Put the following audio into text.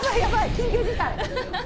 緊急事態！